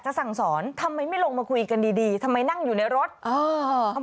สั่งสอนทำไมไม่ลงมาคุยกันดีดีทำไมนั่งอยู่ในรถเออ